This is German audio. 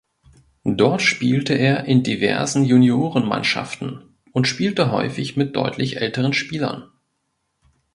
Dort spielte er in diversen Juniorenmannschaften und spielte häufig mit deutlich älteren Spielern.